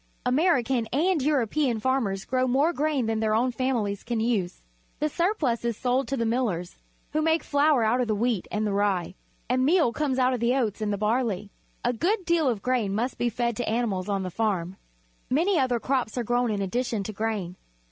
American and European farmers grow more grain than their own families can use. The surplus is sold to the millers, who make flour out of the wheat and the rye, and meal out of the oats and the barley. A good deal of the grain must be fed to animals on the farm. Many other crops are grown in addition to grain.